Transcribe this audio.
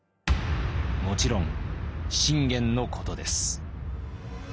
もちろん信玄のことです。